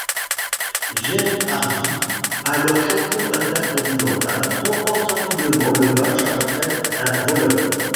Jeff Hardy, alors champion Intercontinental, remporte rapidement le match après un Roll-Up.